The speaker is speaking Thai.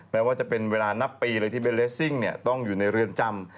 แม้ว่าจะเป็นเวลานับปีเลยที่เบนเลสซิ่งต้องอยู่ในเรือนจำ